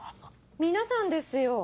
皆さんですよ。